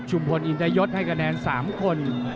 พลอินทยศให้คะแนน๓คน